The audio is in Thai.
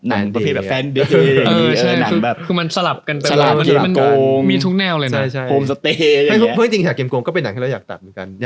แต่สนใจว่าระหว่างที่ตัดบุอร์อาวมะลิลาอะไรอย่างเงี้ย